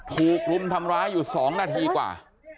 ถูกรุมทำร้ายอยู่๒นาทีกว่า